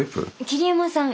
桐山さん